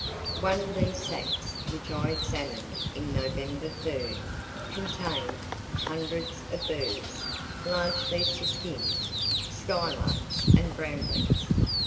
[C] One of these sacks which I examined on November 3, contained hundreds of birds, largely siskins, skylarks and bramblings.